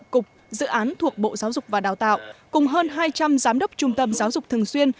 cục dự án thuộc bộ giáo dục và đào tạo cùng hơn hai trăm linh giám đốc trung tâm giáo dục thường xuyên